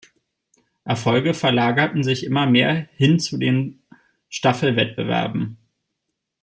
Erfolge verlagerten sich immer mehr hin zu den Staffelwettbewerben.